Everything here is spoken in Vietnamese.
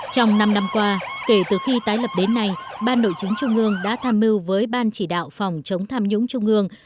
trong năm năm qua kể từ khi tái lập đến nay ban nội chính trung ương đã tham mưu với ban chỉ đạo phòng chống tham nhũng trung ương